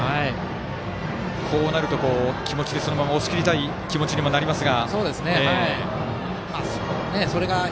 こうなると気持ちでそのまま押し切りたい気持ちにもなりますが。